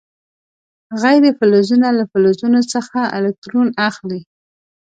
غیر فلزونه له فلزونو څخه الکترون اخلي.